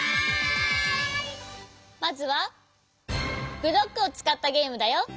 まずはブロックをつかったゲームだよ。